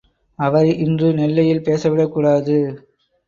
அவரை இன்று நெல்லையில் பேசவிடக் கூடாது.